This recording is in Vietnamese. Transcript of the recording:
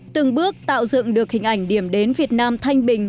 từng bước tạo dựng được hình ảnh điểm đến việt nam thanh bình